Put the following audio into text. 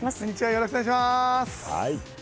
よろしくお願いします。